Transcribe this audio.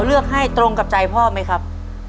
เลือกให้ตรงกับใจพ่อไหมครับ